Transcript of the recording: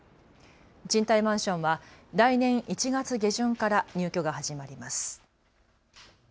賃貸マンションは来年１月下旬から入居が始まります。